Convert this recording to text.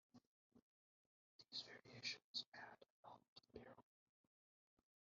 These variations add an element of peril.